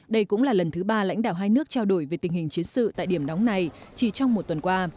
đây cũng là lần thứ ba lãnh đạo hai nước trao đổi về tình hình chiến sự tại điểm nóng này chỉ trong một tuần qua